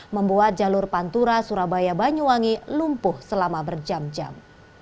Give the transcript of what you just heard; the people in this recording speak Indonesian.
membuat jalur pantura surabaya banyuwangi lumpuh selama berjam jam